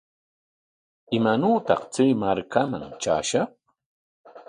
¿Imaanawtaq chay markaman traashaq?